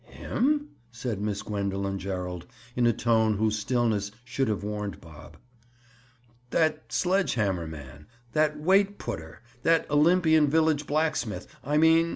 "Him?" said Miss Gwendoline Gerald, in a tone whose stillness should have warned Bob. "That sledge hammer man? That weight putter? That Olympian village blacksmith, I mean?